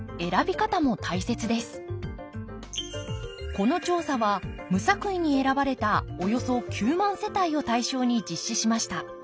この調査は無作為に選ばれたおよそ９万世帯を対象に実施しました。